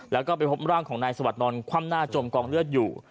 แล้วก็ไปพบร่างของนายสวัสดินอนคว่ำหน้าจมกองเลือดอยู่